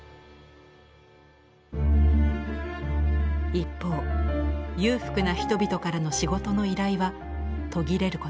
一方裕福な人々からの仕事の依頼は途切れることがありませんでした。